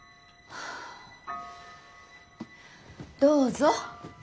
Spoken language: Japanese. どうぞ。